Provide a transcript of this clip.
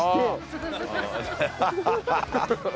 ハハハハ！